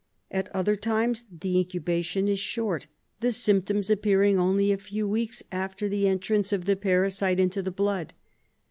At other times the incubation is short, the symptoms appearing only a few weeks after the entrance of the parasite into the blood.